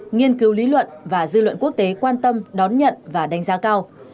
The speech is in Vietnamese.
nghiên cứu lý luận và dư luận quốc tế quan tâm đón nhận và đánh giá cao